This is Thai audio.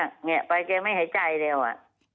แงะไปแกไม่หายใจแล้วอ่ะ